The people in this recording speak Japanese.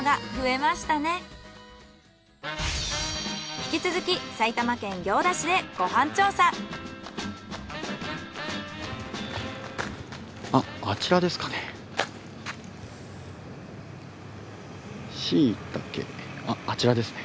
引き続きシイタケあっあちらですね。